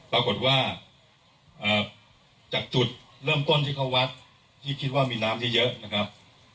ปรากฏว่าจากจุดเริ่มต้นที่เขาวัดที่คิดว่ามีน้ำเยอะนะครับ